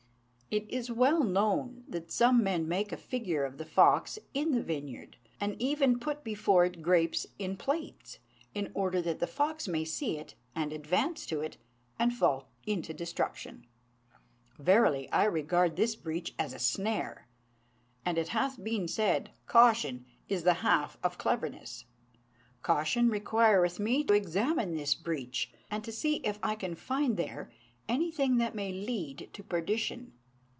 It is well known that some men make a figure of the fox in the vineyard, and even put before it grapes in plates, in order that a fox may see it, and advance to it, and fall into destruction. Verily I regard this breach as a snare; and it hath been said, 'Caution is the half of cleverness.' Caution requireth me to examine this breach, and to see if I can find there anything that may lead to perdition.